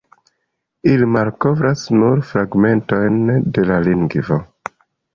Ili malkovras nur fragmentojn de la lingvo.